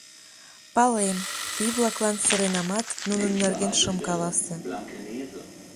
— Палем, — пий-влаклан сыренамат, нунын нерген шым каласе.